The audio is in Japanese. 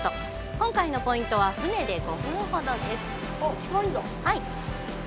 今回のポイントへは船で５分ほど。